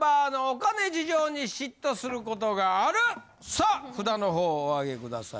さあ札の方をおあげください。